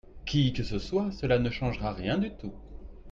qui que ce soit, cela ne changera rien du tout.